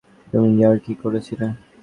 তুমি ইয়ার্কি করছিলে।